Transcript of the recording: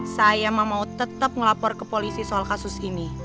saya mau tetap ngelapor ke polisi soal kasus ini